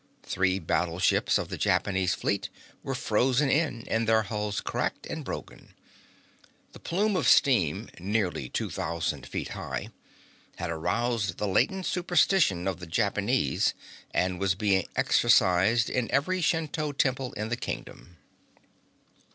Three battleships of the Japanese fleet were frozen in and their hulls cracked and broken. The plume of steam nearly two thousand feet high had aroused the latent superstition of the Japanese and was being exorcised in every Shinto temple in the kingdom.